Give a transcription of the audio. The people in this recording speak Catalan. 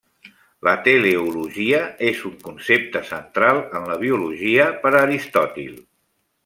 La teleologia és un concepte central en la biologia per a Aristòtil.